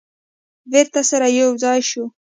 بیرته سره یو ځای شوه.